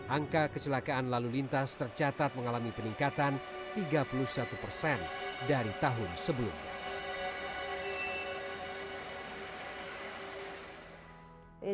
angka kecelakaan lalu lintas tercatat mengalami peningkatan tiga puluh satu persen dari tahun sebelumnya